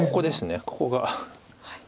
ここが。